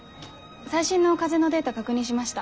最新の風のデータ確認しました。